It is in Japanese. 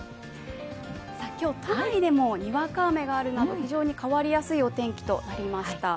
今日都内でもにわか雨があるなど、非常に変わりやすいお天気となりました。